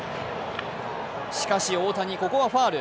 しかし、大谷、ここはファウル。